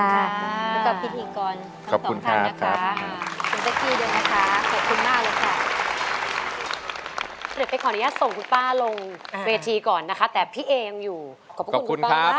แล้วก็พี่ถีกก่อนทั้งสองทางนะคะคุณเจ๊กี้ด้วยนะคะขอบพระคุณมากเลยค่ะค่ะ